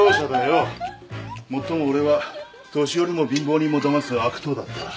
もっとも俺は年寄りも貧乏人もだます悪党だった。